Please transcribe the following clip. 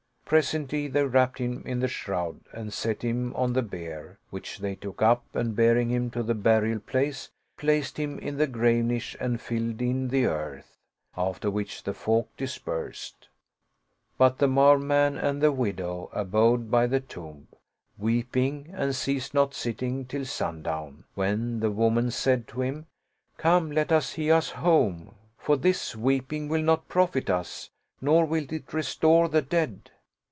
Presently they wrapped him in the shroud and set him on the bier, which they took up and bearing him to the burial place, placed him in the grave niche and filled in the earth ; after which the folk dispersed. But the Marw man and the widow abode by the tomb, weeping, and ceased not sitting till sundown, when the woman said to him, " Come, let us hie us home, for this weeping will not profit us, nor will it restore the dead."